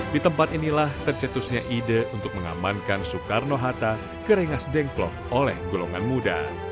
di tempat inilah tercetusnya ide untuk mengamankan soekarno hatta ke rengas dengklok oleh golongan muda